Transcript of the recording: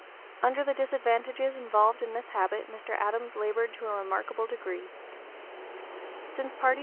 Under the disadvantages involved in this habit Mr. Adams labored to a remarkable degree. Since parties (p.